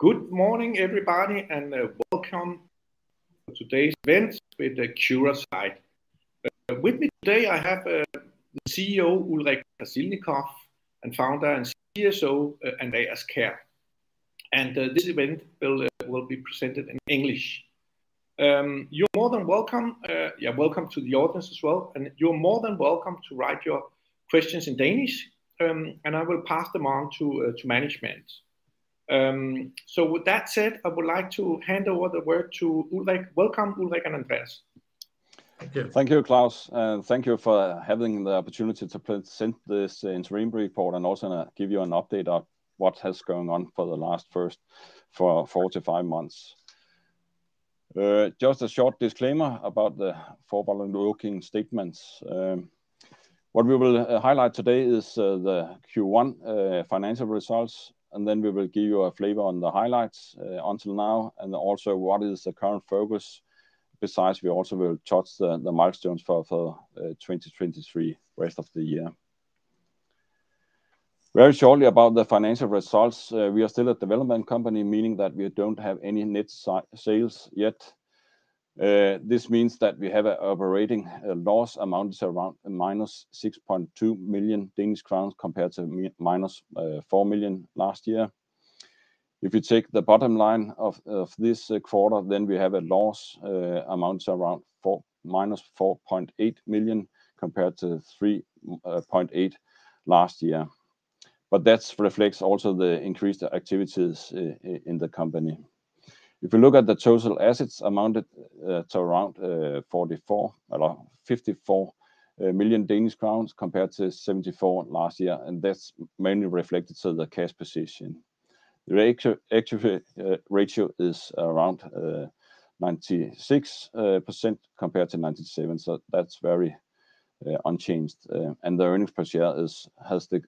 Good morning, everybody, and welcome to today's event with Curasight. With me today, I have the CEO, Ulrich Krasilnikoff, and founder and CSO, Andreas Kjær. This event will be presented in English. You're more than welcome. Yeah, welcome to the audience as well, and you're more than welcome to write your questions in Danish, and I will pass them on to management. With that said, I would like to hand over the word to Ulrich. Welcome, Ulrich and Andreas. Thank you, Claus, and thank you for having the opportunity to present this interim report and also give you an update on what has gone on for the last four to five months. Just a short disclaimer about the forward-looking statements. What we will highlight today is the Q1 financial results, and then we will give you a flavor on the highlights until now, and also what is the current focus. We also will touch the milestones for 2023, rest of the year. Very shortly, about the financial results, we are still a development company, meaning that we don't have any net sales yet. This means that we have an operating loss amounts around -6.2 million Danish crowns, compared to minus 4 million last year. If you take the bottom line of this quarter, we have a loss, amounts around -4.8 million, compared to 3.8 million last year. That reflects also the increased activities in the company. If you look at the total assets amounted to around 54 million Danish crowns, compared to 74 million last year, and that's mainly reflected to the cash position. The ratio, equity ratio is around 96% compared to 97%, that's very unchanged. The earnings per share is, has the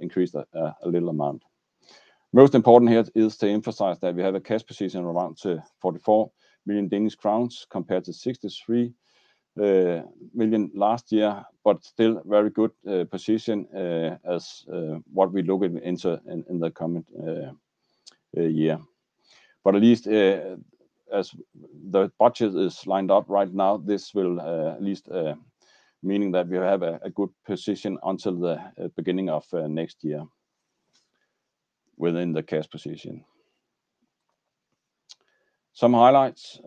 increased a little amount. Most important here is to emphasize that we have a cash position around 44 million Danish crowns, compared to 63 million last year, but still very good position as what we look into in the coming year. At least, as the budget is lined up right now, this will at least meaning that we have a good position until the beginning of next year within the cash position. Some highlights.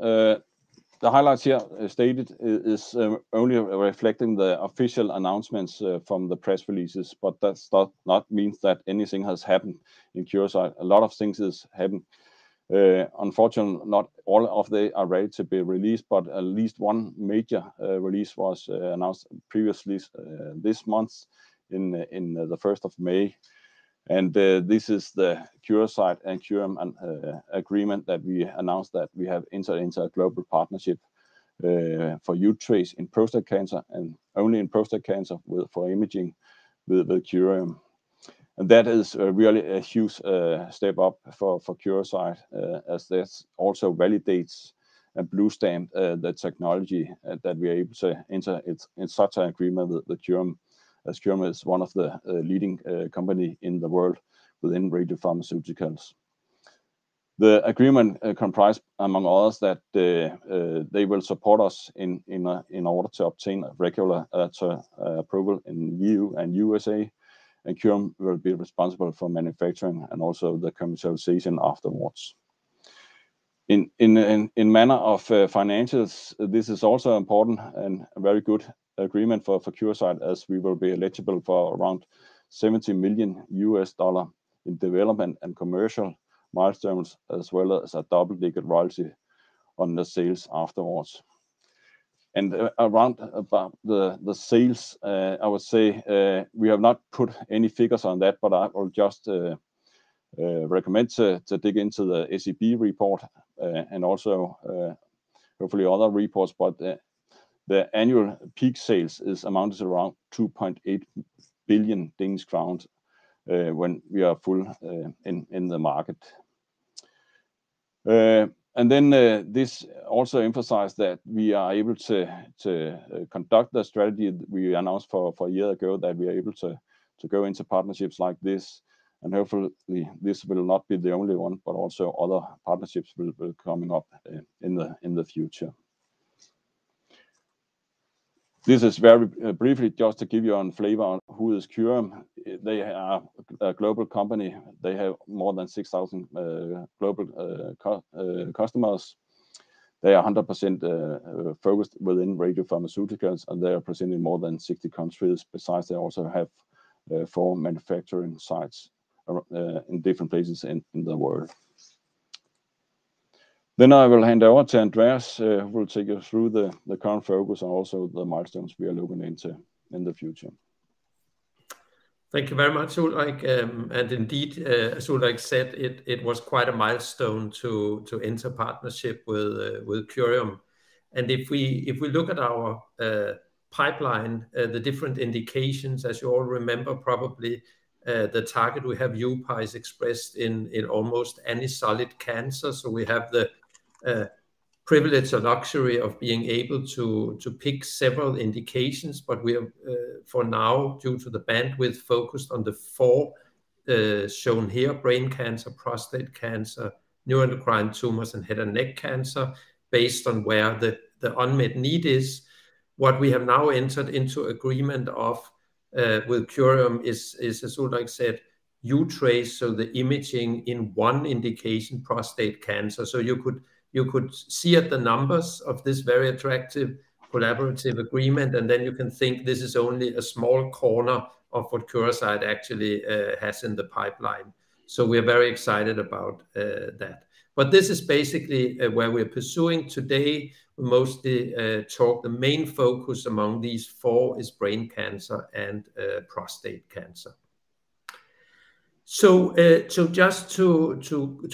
The highlights here stated is only reflecting the official announcements from the press releases, but that's not means that anything has happened in Curasight. A lot of things is happening. Unfortunately, not all of they are ready to be released, but at least one major release was announced previously this month, in the first of May. This is the Curasight and Curium agreement that we announced that we have entered into a global partnership for uTRACE in prostate cancer, and only in prostate cancer, for imaging with Curium. That is really a huge step up for Curasight, as this also validates and blue-stamp the technology that we are able to enter it, in such an agreement with Curium, as Curium is one of the leading company in the world within radiopharmaceuticals. The agreement comprise, among others, that they will support us in order to obtain regular approval in EU and USA, and Curium will be responsible for manufacturing and also the commercialization afterwards. In manner of financials, this is also important and a very good agreement for Curasight, as we will be eligible for around $70 million in development and commercial milestones, as well as a double-digit royalty on the sales afterwards. Around about the sales, I would say, we have not put any figures on that, but I will just recommend to dig into the SEB report, and also hopefully other reports. The annual peak sales is amounts around 2.8 billion Danish crowns, when we are full in the market. This also emphasize that we are able to conduct the strategy we announced for a year ago, that we are able to go into partnerships like this, and hopefully, this will not be the only one, but also other partnerships will coming up in the future. This is very briefly just to give you a flavor on who is Curium. They are a global company. They have more than 6,000 global customers. They are 100% focused within radiopharmaceuticals, and they are present in more than 60 countries. Besides, they also have 4 manufacturing sites in different places in the world. I will hand over to Andreas, who will take you through the current focus and also the milestones we are looking into in the future. Thank you very much, Ulrich. Indeed, as Ulrich said, it was quite a milestone to enter partnership with Curium. If we look at our pipeline, the different indications, as you all remember, probably, the target we have, uPAR, is expressed in almost any solid cancer. We have the privilege or luxury of being able to pick several indications, but we have, for now, due to the bandwidth, focused on the four shown here: brain cancer, prostate cancer, neuroendocrine tumors, and head and neck cancer, based on where the unmet need is. What we have now entered into agreement of with Curium is as Ulrich lke said, uTRACE, so the imaging in one indication, prostate cancer. You could see at the numbers of this very attractive collaborative agreement, and then you can think this is only a small corner of what Curasight actually has in the pipeline. We are very excited about that. This is basically where we are pursuing today, mostly talk the main focus among these four is brain cancer and prostate cancer. Just to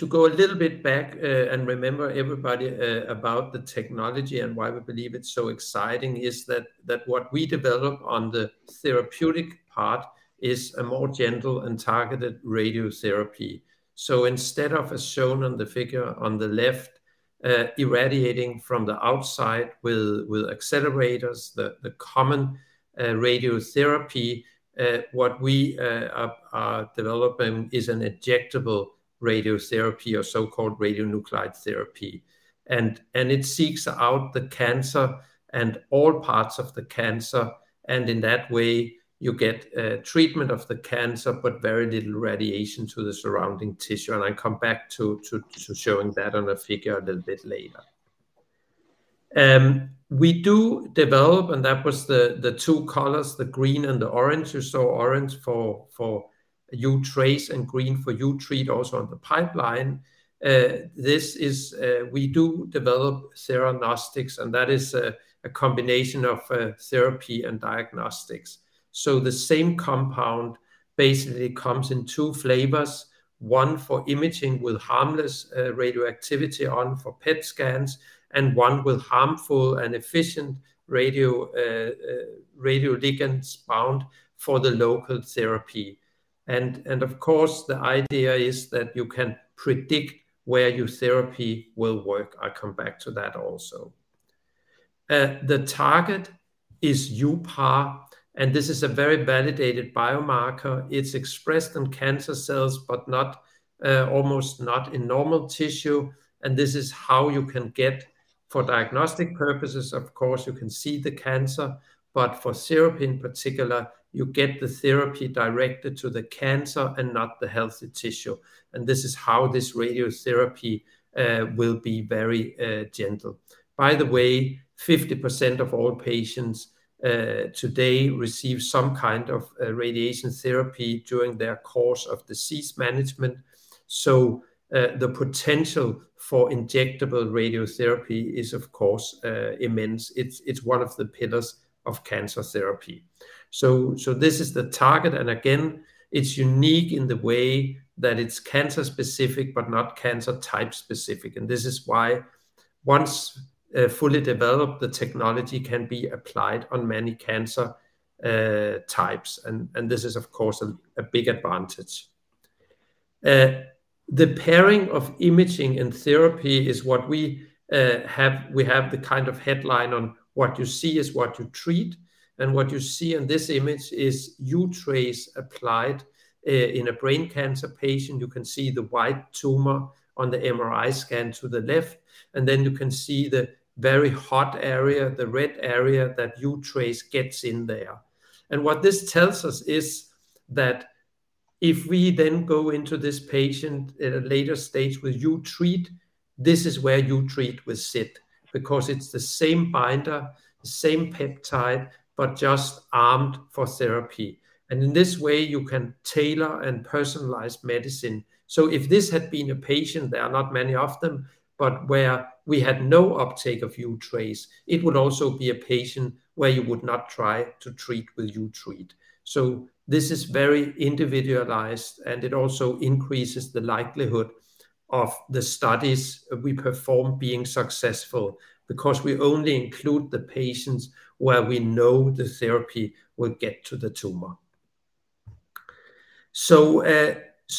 go a little bit back and remember everybody about the technology and why we believe it's so exciting, is that what we develop on the therapeutic part is a more gentle and targeted radiotherapy. Instead of, as shown on the figure on the left, irradiating from the outside with accelerators, the common radiotherapy, what we are developing is an injectable radiotherapy or so-called radionuclide therapy. It seeks out the cancer and all parts of the cancer, and in that way, you get treatment of the cancer, but very little radiation to the surrounding tissue. I come back to showing that on a figure a little bit later. We do develop, and that was the two colors, the green and the orange. You saw orange for uTRACE and green for uTREAT also on the pipeline. This is, we do develop theranostics, and that is a combination of therapy and diagnostics. The same compound basically comes in two flavors, one for imaging with harmless radioactivity on for PET scans, and one with harmful and efficient radioligands bound for the local therapy. Of course, the idea is that you can predict where your therapy will work. I come back to that also. The target is uPAR, and this is a very validated biomarker. It's expressed on cancer cells, but not almost not in normal tissue. This is how you can get. For diagnostic purposes, of course, you can see the cancer, but for therapy in particular, you get the therapy directed to the cancer and not the healthy tissue, and this is how this radiotherapy will be very gentle. 50% of all patients today receive some kind of radiation therapy during their course of disease management. The potential for injectable radiotherapy is, of course, immense. It's one of the pillars of cancer therapy. This is the target, again, it's unique in the way that it's cancer specific, but not cancer type specific. This is why once fully developed, the technology can be applied on many cancer types, and this is, of course, a big advantage. The pairing of imaging and therapy is what we have. We have the kind of headline on what you see is what you treat. What you see in this image is uTRACE applied in a brain cancer patient. You can see the white tumor on the MRI scan to the left, you can see the very hot area, the red area, that uTRACE gets in there. What this tells us is that if we then go into this patient at a later stage with uTREAT, this is where uTREAT will sit, because it's the same binder, the same peptide, but just armed for therapy. In this way, you can tailor and personalize medicine. If this had been a patient, there are not many of them, but where we had no uptake of uTRACE, it would also be a patient where you would not try to treat with uTREAT. This is very individualized, and it also increases the likelihood of the studies we perform being successful, because we only include the patients where we know the therapy will get to the tumor.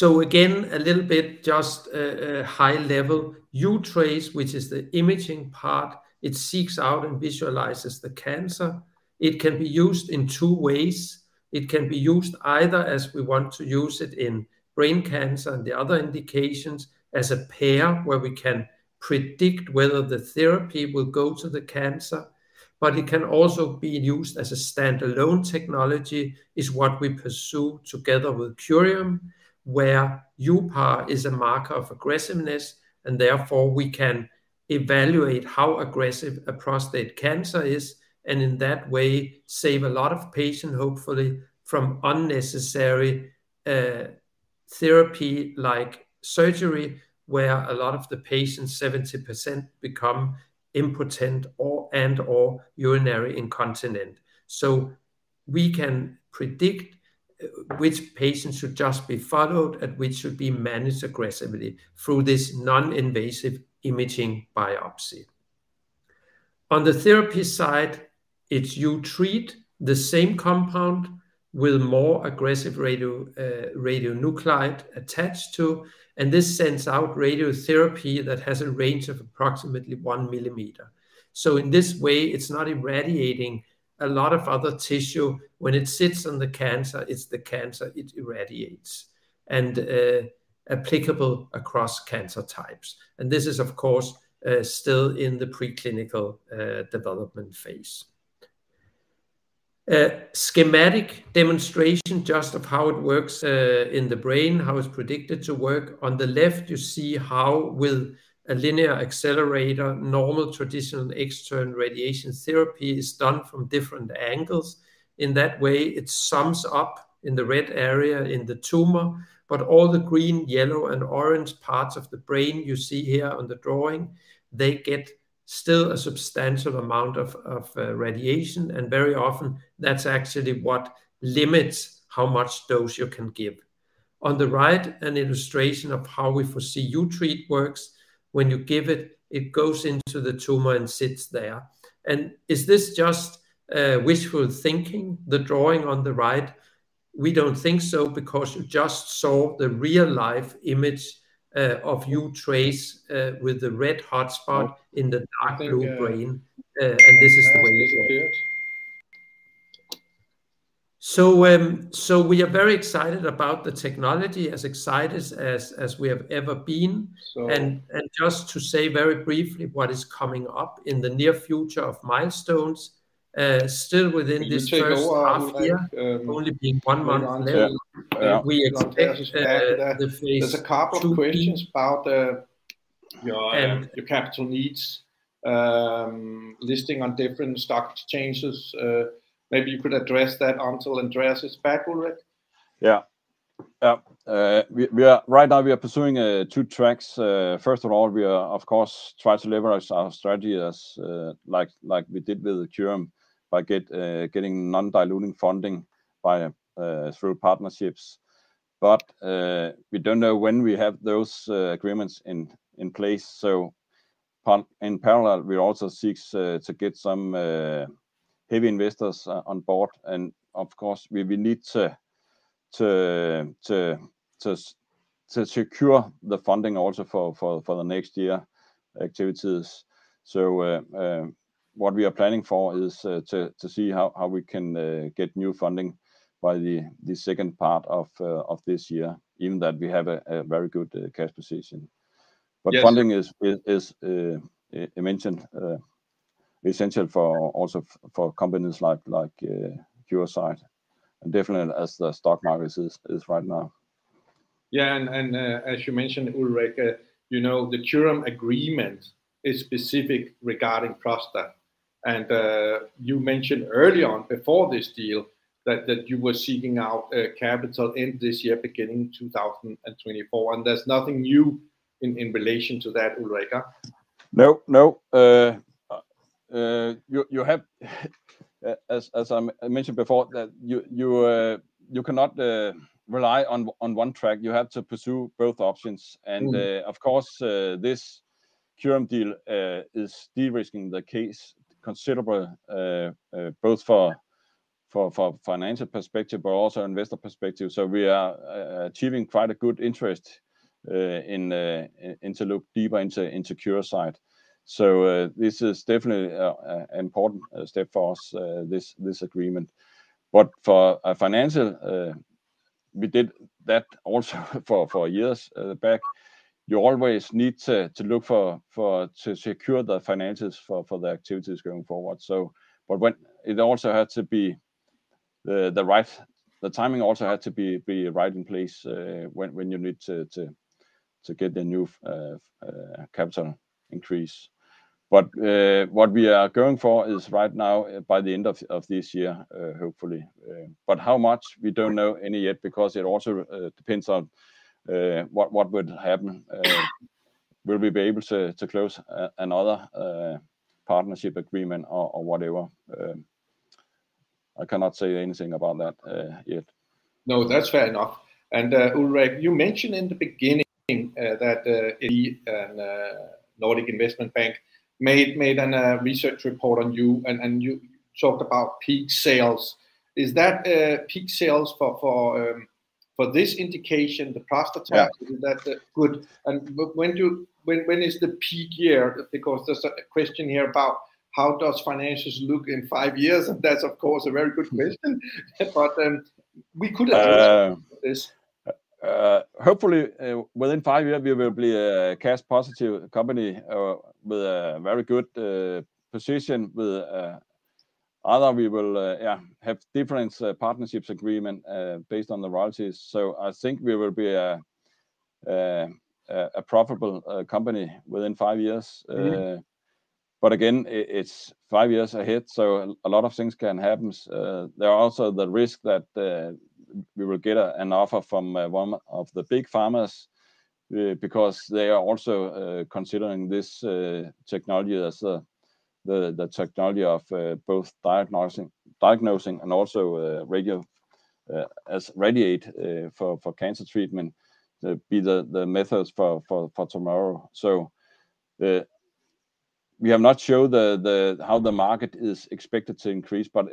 Again, a little bit just a high level, uTRACE, which is the imaging part, it seeks out and visualizes the cancer. It can be used in two ways. It can be used either as we want to use it in brain cancer and the other indications as a pair, where we can predict whether the therapy will go to the cancer. It can also be used as a standalone technology, is what we pursue together with Curium, where uPAR is a marker of aggressiveness, and therefore, we can evaluate how aggressive a prostate cancer is, and in that way, save a lot of patient, hopefully, from unnecessary therapy like surgery, where a lot of the patients, 70%, become impotent or, and or urinary incontinent. We can predict which patients should just be followed and which should be managed aggressively through this non-invasive imaging biopsy. On the therapy side, it's uTREAT, the same compound with more aggressive radionuclide attached to, and this sends out radiotherapy that has a range of approximately 1 millimeter. In this way, it's not irradiating a lot of other tissue. When it sits on the cancer, it's the cancer it irradiates, and applicable across cancer types. This is, of course, still in the preclinical development phase. A schematic demonstration just of how it works in the brain, how it's predicted to work. On the left, you see how with a linear accelerator, normal traditional external radiation therapy is done from different angles. In that way, it sums up in the red area in the tumor, but all the green, yellow, and orange parts of the brain you see here on the drawing, they get still a substantial amount of radiation, and very often, that's actually what limits how much dose you can give. On the right, an illustration of how we foresee uTREAT works. When you give it goes into the tumor and sits there. Is this just wishful thinking, the drawing on the right? We don't think so, because you just saw the real-life image of uTRACE with the red hot spot in the dark blue brain. I think.... This is the way it works. We are very excited about the technology, as excited as we have ever been. So- Just to say very briefly what is coming up in the near future of milestones, still within this H1 year. Can you take over, like? Only being one month left. Yeah. We expect There's a couple of questions about. Um... your capital needs, listing on different stock exchanges. Maybe you could address that until Andreas is back, Ulrich? We are right now pursuing two tracks. First of all, we are, of course, try to leverage our strategy as like we did with the Curium, by getting non-diluting funding through partnerships. We don't know when we have those agreements in place, in parallel, we also seeks to get some heavy investors on board. Of course, we need to secure the funding also for the next year activities. What we are planning for is to see how we can get new funding by the H2 of this year, even that we have a very good cash position. Yes. Funding is essential for also for companies like Curasight, and definitely as the stock market is right now. Yeah, and as you mentioned, Ulrich, you know, the Curium agreement is specific regarding prostate. You mentioned early on before this deal that you were seeking out capital in this year, beginning 2024, there's nothing new in relation to that, Ulrich? No, no. As I mentioned before, that you cannot rely on one track, you have to pursue both options. Mm. Of course, this Curium deal is de-risking the case considerable, both for financial perspective, but also investor perspective. We are achieving quite a good interest in to look deeper into Curasight. This is definitely an important step for us, this agreement. For a financial, we did that also for years back. You always need to look to secure the finances for the activities going forward. When it also had to be the right, the timing also had to be right in place, when you need to get the new capital increase. What we are going for is right now, by the end of this year, hopefully. How much? We don't know any yet, because it also depends on what would happen. Will we be able to close another partnership agreement or whatever? I cannot say anything about that yet. No, that's fair enough. Ulrich, you mentioned in the beginning that the Nordic Investment Bank made an research report on you, and you talked about peak sales. Is that peak sales for for this indication, the prostate cancer? Yeah When is the peak year? There's a question here about how does financials look in five years? That's of course, a very good question, but we could address this. Hopefully, within five years, we will be a cash positive company, with a very good, position. With, either we will, yeah, have different partnerships agreement, based on the royalties. I think we will be a profitable, company within five years. Mm-hmm. Again, it's five years ahead, a lot of things can happens. There are also the risk that we will get an offer from one of the big pharmas because they are also considering this technology as the technology of both diagnosing and also radiotherapy as radiate for cancer treatment be the methods for tomorrow. We have not showed the how the market is expected to increase, but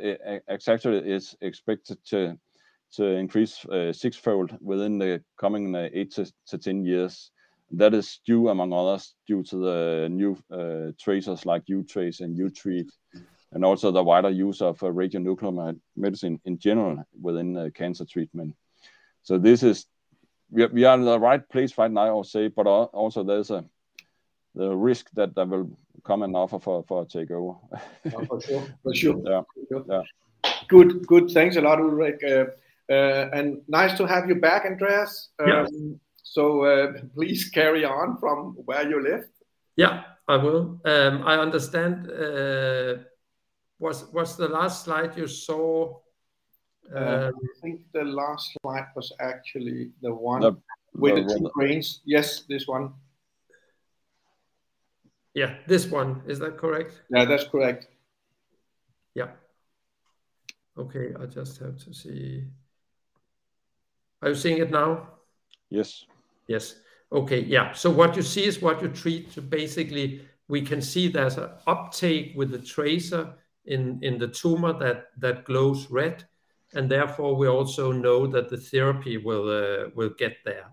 actually, it's expected to increase sixfold within the coming 8 to 10 years. That is due, among others, due to the new tracers like uTRACE and uTREAT, and also the wider use of radionuclide medicine in general within the cancer treatment. This is. We are in the right place right now, I will say, but also there's the risk that there will come an offer for a takeover. Oh, for sure. Yeah. Yeah. Yeah. Good. Thanks a lot, Ulrich. Nice to have you back, Andreas Kjær. Yeah. Please carry on from where you left. Yeah, I will. I understand, what's the last slide you saw? I think the last slide was actually. The, the one- With the two brains. Yes, this one. Yeah, this one. Is that correct? Yeah, that's correct. Yeah. Okay, I just have to see. Are you seeing it now? Yes. Yes. Okay, yeah. What you see is what you treat. Basically, we can see there's a uptake with the tracer in the tumor that glows red, and therefore, we also know that the therapy will get there.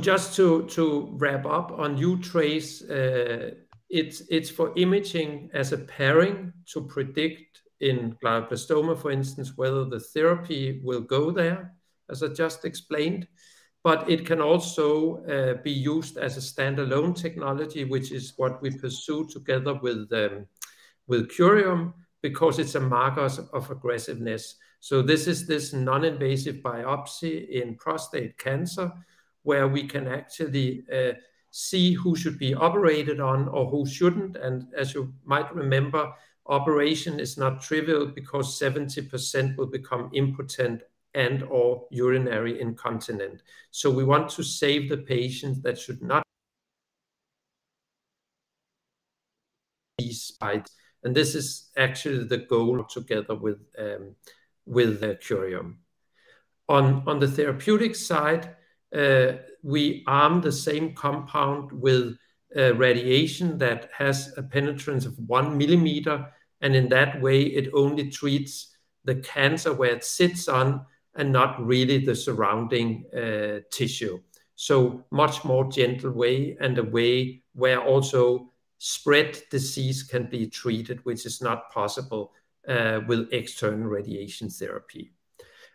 Just to wrap up on uTRACE, it's for imaging as a pairing to predict in glioblastoma, for instance, whether the therapy will go there, as I just explained. It can also be used as a standalone technology, which is what we pursue together with Curium, because it's a biomarker of aggressiveness. This is this non-invasive biopsy in prostate cancer, where we can actually see who should be operated on or who shouldn't. As you might remember, operation is not trivial because 70% will become impotent and/or urinary incontinent. We want to save the patients that should not be spite. This is actually the goal together with Curium. On the therapeutic side, we arm the same compound with radiation that has a penetrance of 1 millimeter. In that way, it only treats the cancer where it sits on and not really the surrounding tissue. Much more gentle way, a way where also spread disease can be treated, which is not possible with external radiation therapy.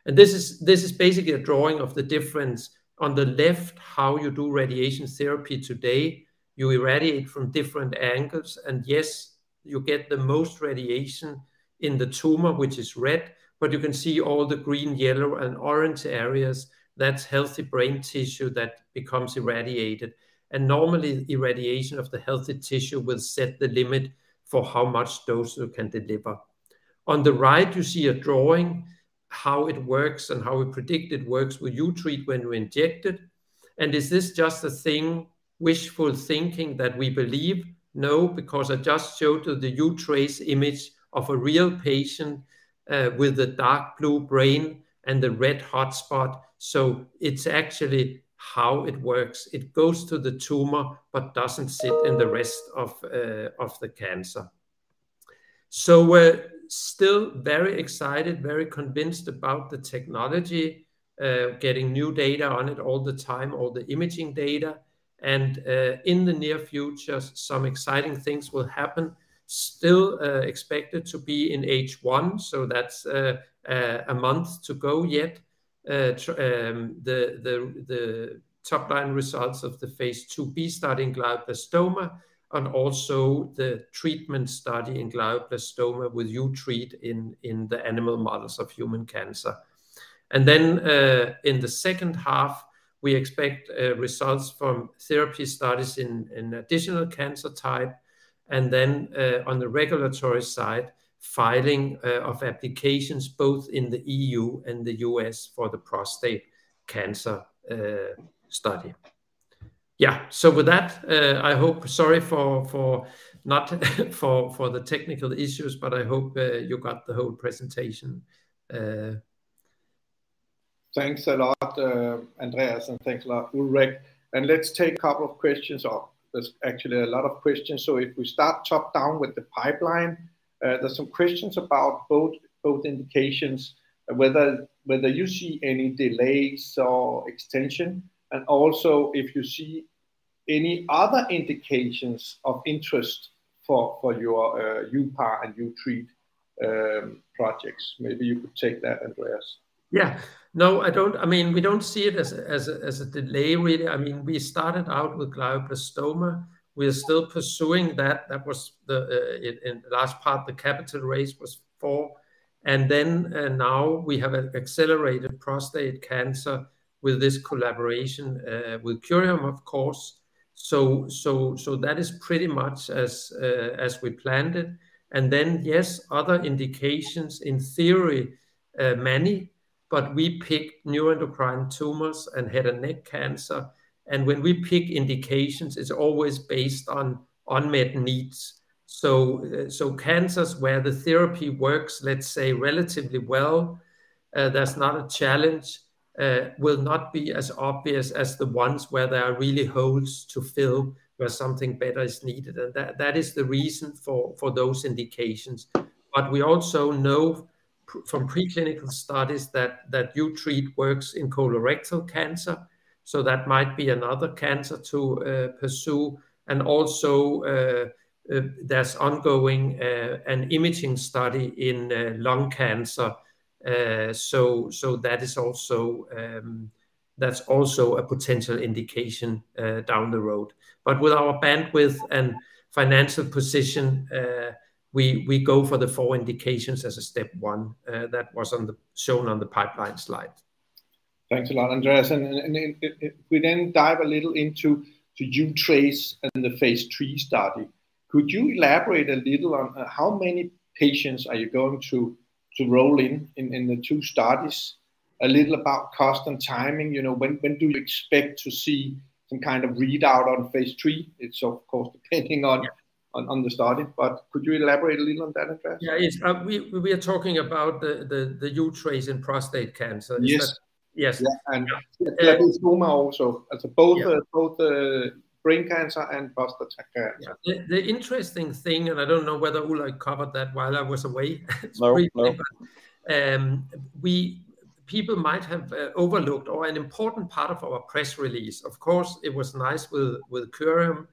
This is basically a drawing of the difference. On the left, how you do radiation therapy today, you irradiate from different angles. Yes, you get the most radiation in the tumor, which is red. You can see all the green, yellow, and orange areas, that's healthy brain tissue that becomes irradiated. Normally, irradiation of the healthy tissue will set the limit for how much dose you can deliver. On the right, you see a drawing, how it works and how we predict it works with uTREAT when we inject it. Is this just a thing, wishful thinking that we believe? No, because I just showed you the uTRACE image of a real patient with the dark blue brain and the red hotspot. It's actually how it works. It goes to the tumor but doesn't sit in the rest of the cancer. We're still very excited, very convinced about the technology, getting new data on it all the time, all the imaging data. In the near future, some exciting things will happen. Still, expected to be in H1, so that's a month to go yet. The top-line results of the Phase IIb study in glioblastoma and also the treatment study in glioblastoma with uTREAT in the animal models of human cancer. In the H2, we expect results from therapy studies in additional cancer type, on the regulatory side, filing of applications both in the E.U. and the U.S. for the prostate cancer study. With that, I hope... Sorry for the technical issues, but I hope you got the whole presentation. Thanks a lot, Andreas, and thanks a lot, Ulrich. Let's take a couple of questions up. There's actually a lot of questions. If we start top down with the pipeline, there's some questions about both indications, whether you see any delays or extension, and also if you see any other indications of interest for your, you uPAR and uTREAT projects. Maybe you could take that, Andreas. Yeah. No, I don't. I mean, we don't see it as a delay, really. I mean, we started out with glioblastoma. We are still pursuing that. That was the, in the last part, the capital raise was for. Now we have accelerated prostate cancer with this collaboration with Curium, of course. So that is pretty much as we planned it. Yes, other indications, in theory, many, but we picked neuroendocrine tumors and head and neck cancer, and when we pick indications, it's always based on unmet needs. So cancers where the therapy works, let's say, relatively well, that's not a challenge, will not be as obvious as the ones where there are really holes to fill, where something better is needed. That is the reason for those indications. We also know from preclinical studies that uTREAT works in colorectal cancer, so that might be another cancer to pursue. Also, there's ongoing an imaging study in lung cancer. So that is also, that's also a potential indication down the road. With our bandwidth and financial position, we go for the four indications as a step one that was shown on the pipeline slide. Thanks a lot, Andreas. If we then dive a little into the uTRACE and the phase III study, could you elaborate a little on how many patients are you going to roll in the two studies? A little about cost and timing, you know, when do you expect to see some kind of readout on phase III? It's of course, depending on- Yeah... on the study, could you elaborate a little on that, Andreas? Yeah, yes. We are talking about the uTRACE in prostate cancer. Yes. Yes. Yeah, glioblastoma also. Yeah. Both the brain cancer and prostate cancer. Yeah. The interesting thing, I don't know whether Ulrich covered that while I was away at spring. No, no. People might have overlooked an important part of our press release. Of course, it was nice with Curium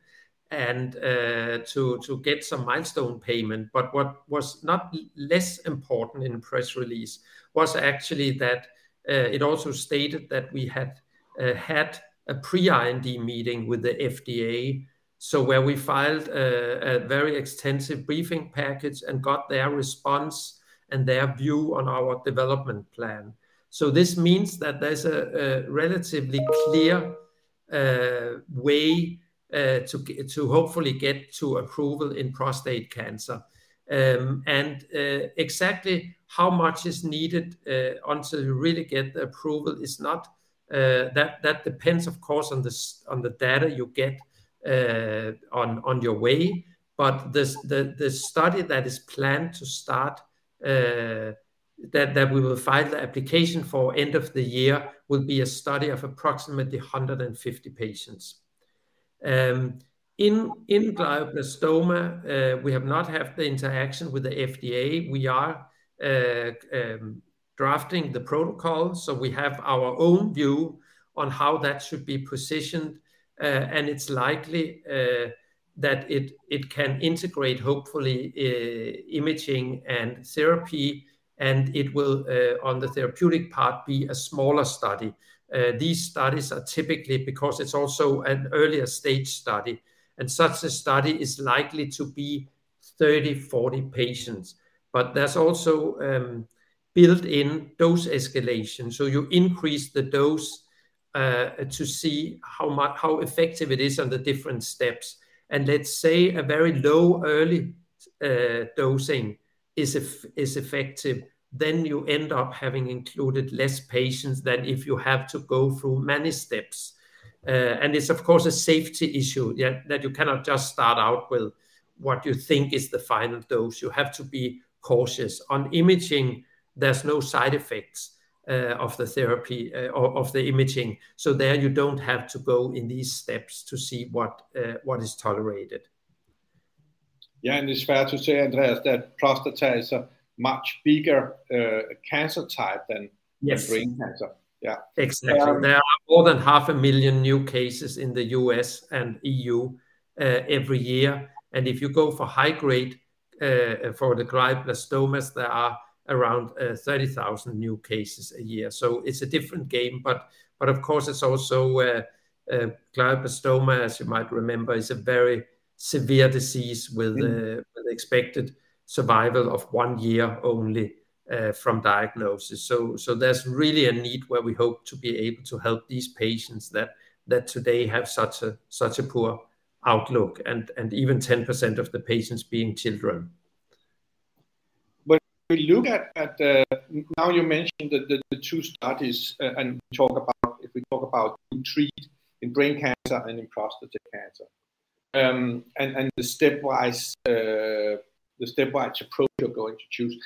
and to get some milestone payment. What was not less important in the press release was actually that it also stated that we had a pre-IND meeting with the FDA. Where we filed a very extensive briefing package and got their response and their view on our development plan. This means that there's a relatively clear way to get to hopefully get to approval in prostate cancer. Exactly how much is needed until you really get the approval is not. That depends, of course, on the data you get on your way. The study that is planned to start, that we will file the application for end of the year, will be a study of approximately 150 patients. In glioblastoma, we have not had the interaction with the FDA. We are drafting the protocol, so we have our own view on how that should be positioned. It's likely that it can integrate, hopefully, imaging and therapy, and it will on the therapeutic part, be a smaller study. These studies are typically because it's also an earlier stage study, and such a study is likely to be 30, 40 patients. There's also built-in dose escalation, so you increase the dose to see how much, how effective it is on the different steps. Let's say a very low early dosing is effective, then you end up having included less patients than if you have to go through many steps. It's, of course, a safety issue, yeah, that you cannot just start out with what you think is the final dose. You have to be cautious. On imaging, there's no side effects of the therapy or of the imaging, so there you don't have to go in these steps to see what is tolerated. Yeah, it's fair to say, Andreas, that prostate is a much bigger cancer type. Yes Brain cancer. Yeah. Exactly. Uh- There are more than half a million new cases in the U.S. and EU, every year. If you go for high grade, for the glioblastomas, there are around, 30,000 new cases a year. It's a different game. Of course, it's also, glioblastoma, as you might remember, is a very severe disease. Mm ...With an expected survival of one year only, from diagnosis. There's really a need where we hope to be able to help these patients, that today have such a poor outlook, and even 10% of the patients being children. When we look at Now, you mentioned the two studies, and talk about, if we talk about uTREAT in brain cancer and in prostate cancer, and the stepwise approach you're going to choose.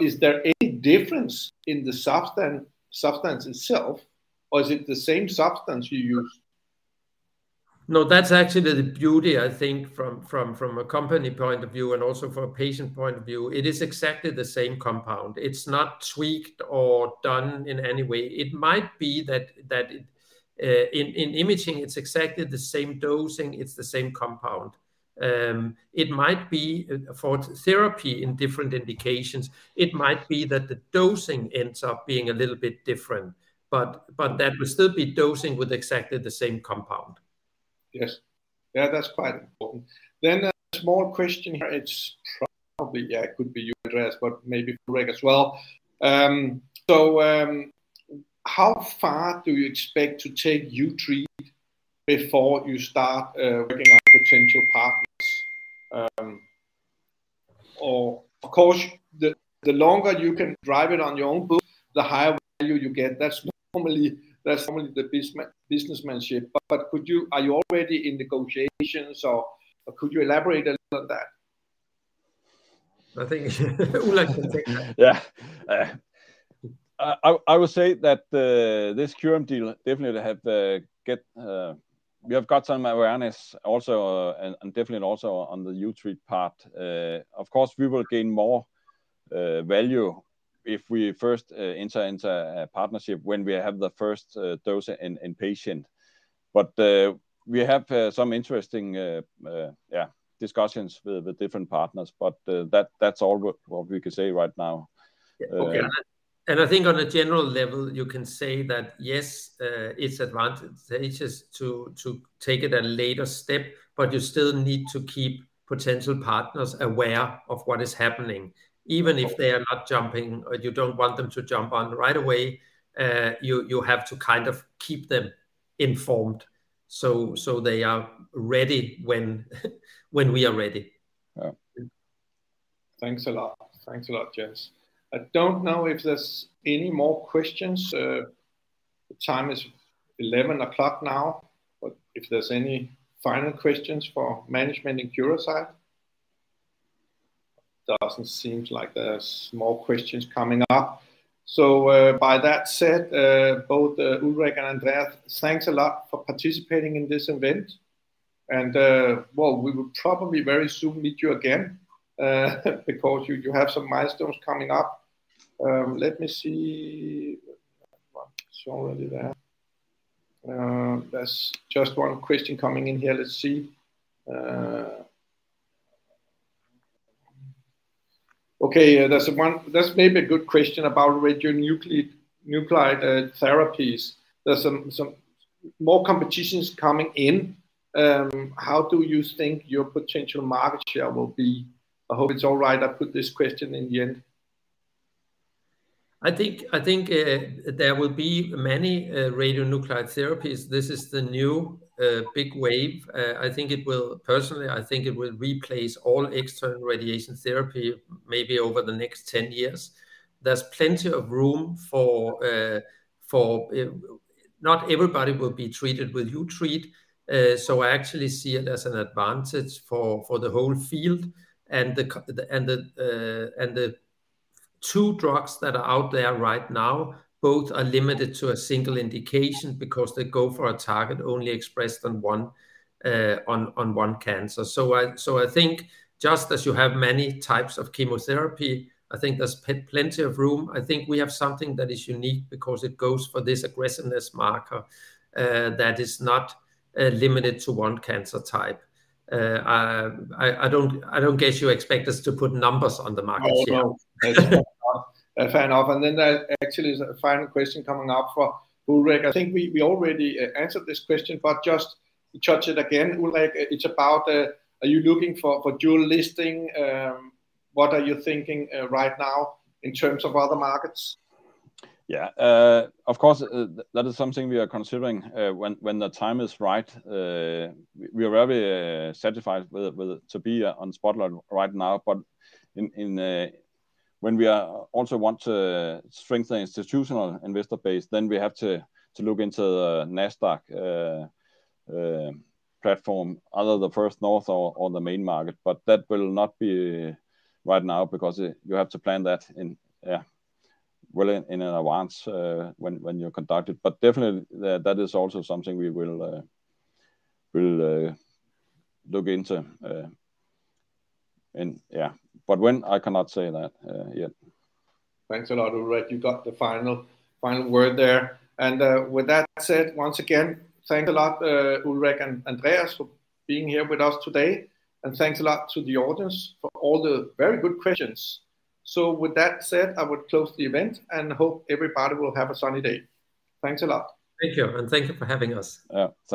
Is there any difference in the substance itself, or is it the same substance you use? That's actually the beauty, I think, from a company point of view and also from a patient point of view. It is exactly the same compound. It's not tweaked or done in any way. It might be that in imaging, it's exactly the same dosing, it's the same compound. It might be for therapy in different indications, it might be that the dosing ends up being a little bit different, but that will still be dosing with exactly the same compound. Yes. Yeah, that's quite important. A small question here, it's probably, yeah, it could be you, Andreas, but maybe Ulrich as well. How far do you expect to take uTREAT before you start working on potential partners? Of course, the longer you can drive it on your own book, the higher value you get. That's normally the businessmanship. Are you already in negotiations, or could you elaborate a little on that? I think, Ulrich can take that. I would say that this Curium deal definitely have got some awareness also, and definitely also on the uTREAT part. Of course, we will gain more value if we first enter into a partnership when we have the first dose in patient. We have some interesting discussions with different partners, but that's all what we can say right now. Okay. I think on a general level, you can say that, yes, it's advantageous to take it a later step. You still need to keep potential partners aware of what is happening. Even if they are not jumping, or you don't want them to jump on right away, you have to kind of keep them informed, so they are ready when we are ready. Yeah. Thanks a lot. Thanks a lot, gents. I don't know if there's any more questions. The time is 11:00 A.M. now, but if there's any final questions for management in Curasight. Doesn't seems like there's more questions coming up. By that said, both Ulrich and Andreas, thanks a lot for participating in this event. Well, we will probably very soon meet you again because you have some milestones coming up. Let me see. It's already there. There's just one question coming in here. Let's see. Okay, there's a That's maybe a good question about radionuclide therapies. There's some more competitions coming in. How do you think your potential market share will be? I hope it's all right I put this question in the end. I think there will be many radionuclide therapies. This is the new big wave. I think it will. Personally, I think it will replace all external radiation therapy maybe over the next 10 years. There's plenty of room for, not everybody will be treated with uTREAT, so I actually see it as an advantage for the whole field. The two drugs that are out there right now, both are limited to a single indication because they go for a target only expressed on one, on one cancer. I think just as you have many types of chemotherapy, I think there's plenty of room. I think we have something that is unique because it goes for this aggressiveness marker, that is not limited to one cancer type. I don't guess you expect us to put numbers on the market share? Oh, no. Fair enough, there actually is a final question coming up for Ulrich. I think we already answered this question, but just touch it again, Ulrich. It's about, are you looking for dual listing? What are you thinking right now in terms of other markets? Yeah, of course, that is something we are considering, when the time is right. We are very satisfied with to be on Spotlight right now, but in, when we are also want to strengthen institutional investor base, then we have to look into the Nasdaq platform, other the First North or the main market. That will not be right now because you have to plan that in, yeah, well, in advance, when you conduct it. Definitely, that is also something we will look into, and yeah. When, I cannot say that yet. Thanks a lot, Ulrich. You got the final word there. With that said, once again, thank a lot, Ulrich and Andreas, for being here with us today. Thanks a lot to the audience for all the very good questions. With that said, I would close the event and hope everybody will have a sunny day. Thanks a lot. Thank you, and thank you for having us. Yeah, thank you.